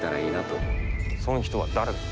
そん人は誰だ？